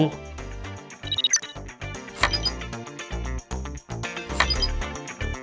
inisiatif untuk mendorong digitalisasi pembayaran dan pembayaran lintas negara